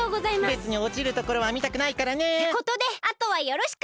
べつにおちるところはみたくないからね。ってことであとはよろしく！